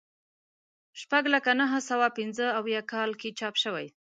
شپږ لکه نهه سوه پنځه اویا کال کې چاپ شوی.